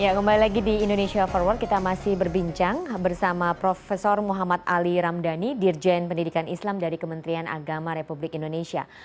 ya kembali lagi di indonesia forward kita masih berbincang bersama prof muhammad ali ramdhani dirjen pendidikan islam dari kementerian agama republik indonesia